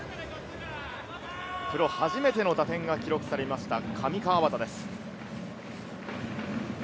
プロ初めての打点が記録されました、上川畑です。